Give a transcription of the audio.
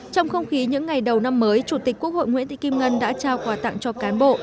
trong không khí những ngày đầu năm mới chủ tịch quốc hội nguyễn thị kim ngân đã trao quà tặng cho cán bộ